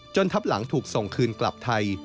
ทับหลังถูกส่งคืนกลับไทย